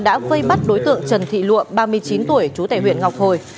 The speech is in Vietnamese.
đã vây bắt đối tượng trần thị lụa ba mươi chín tuổi chú tẻ huyện ngọc hồi